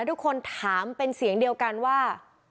ทุกคนถามเป็นเสียงเดียวกันว่า